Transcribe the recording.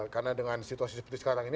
karena dengan situasi seperti sekarang ini